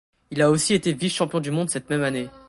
Il a aussi été vice-champion du monde cette même année.